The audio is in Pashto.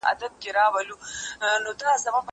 که وخت وي، سندري اورم!!